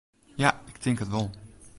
Ja, ik tink it wol.